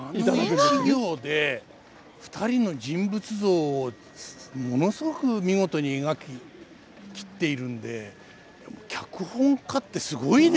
あの一行で２人の人物像をものすごく見事に描き切っているんで脚本家ってすごいですね。